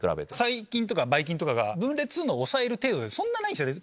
細菌とかばい菌とかが分裂するの抑える程度でそんなないんすよね